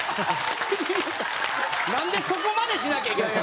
なんでそこまでしなきゃいけない。